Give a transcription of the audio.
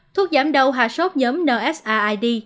thuốc giảm đầu hạ sốt nhóm nsaid